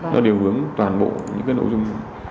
nó đều hướng toàn bộ những cái nội dung